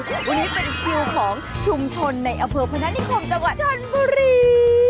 วันนี้เป็นคิวของชุมชนในอำเภอพนานิคมจังหวัดชนบุรี